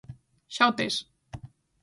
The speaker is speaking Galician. Xa o tes!